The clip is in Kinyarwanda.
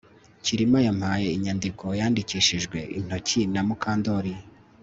Kirima yampaye inyandiko yandikishijwe intoki na Mukandoli